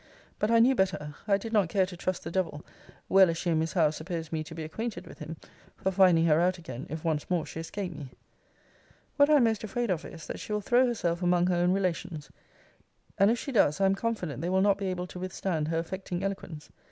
But I knew better. I did not care to trust the Devil, well as she and Miss Howe suppose me to be acquainted with him, for finding her out again, if once more she escaped me. What I am most afraid of is, that she will throw herself among her own relations; and, if she does, I am confident they will not be able to withstand her affecting eloquence.